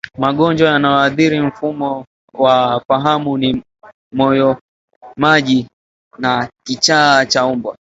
Magonjwa yananyoathiri mfumo wa fahamu ni moyomaji na kichaa cha mbwa